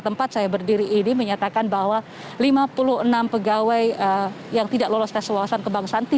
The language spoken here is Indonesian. tempat saya berdiri ini menyatakan bahwa lima puluh enam pegawai yang tidak lolos tes wawasan kebangsaan